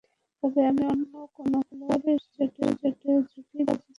তবে আমি অন্য কোনো খেলোয়াড়ের চোটের ঝুঁকি নিতে রাজি ছিলাম না।